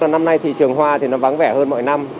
năm nay thị trường hoa thì nó vắng vẻ hơn mọi năm